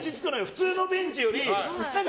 普通のベンチよりも。